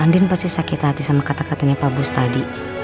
andin pasti sakit hati sama kata katanya pak bus tadi